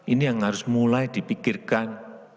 ini yang harus mulai dipikirkan